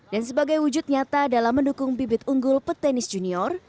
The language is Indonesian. dan sebagai wujud nyata dalam mendukung bibit unggul petenis junior